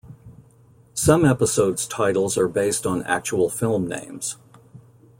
Some episodes' titles are based on actual film names.